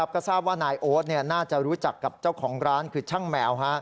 ก็ทราบว่านายโอ๊ตน่าจะรู้จักกับเจ้าของร้านคือช่างแมว